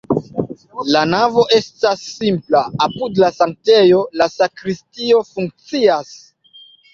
La navo estas simpla, apud la sanktejo la sakristio funkcias.